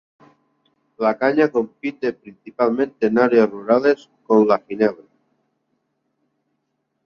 La caña compite, principalmente en áreas rurales, con la ginebra.